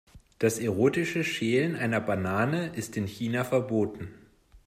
Das erotische Schälen einer Banane ist in China verboten.